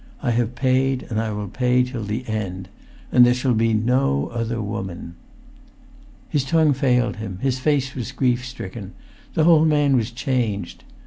I have paid, and I will pay till the end. And there shall be no other woman ..." His tongue failed him; his face was grief stricken; the whole man was changed.